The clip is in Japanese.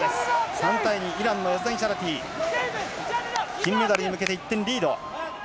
３対２、イランのヤズダニチャラティ、金メダルに向けて１点リード。